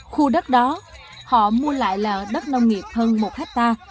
khu đất đó họ mua lại là đất nông nghiệp hơn một hectare